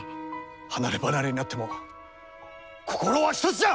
離れ離れになっても心は一つじゃ！